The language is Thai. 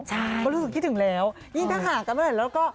เธอก็รู้สึกคิดถึงแล้วยิ่งทางหากันบ้างแหล่งแล้วก็